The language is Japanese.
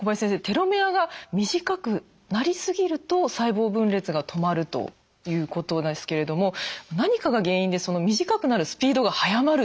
テロメアが短くなりすぎると細胞分裂が止まるということなんですけれども何かが原因で短くなるスピードが速まるということはあるんでしょうか？